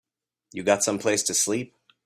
You got someplace to sleep?